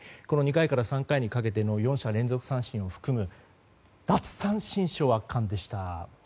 この２回から３回にかけての４者連続三振を含む奪三振ショー、圧巻でした。